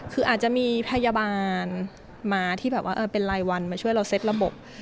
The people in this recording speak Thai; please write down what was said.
คืออาจจะมีพยาบาลมาที่แบบว่าเป็นรายวันมาช่วยเราเซ็ตระบบ